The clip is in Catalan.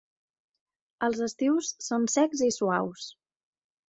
Els estius són secs i suaus.